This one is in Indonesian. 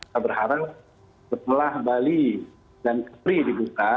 kita berharap setelah bali dan kepri dibuka